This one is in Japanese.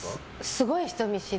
すごい人見知り。